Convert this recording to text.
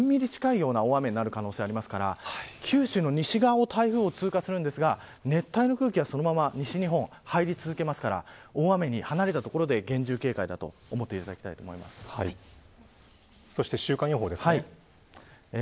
こちらは、１０００ミリ近いような大雨になる可能性がありますから九州の西側を台風が通過するんですが熱帯の空気はそのまま西日本に入り続けますから大雨に離れた所で厳重警戒だとそして週間予報ですね。